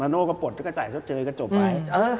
มันนโหลก็ปลดก็จ่ายเฉดเจยก็จบไป